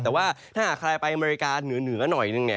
แต่ว่าถ้าใครไปอเมริกาเหนือหน่อยหนึ่งเนี่ย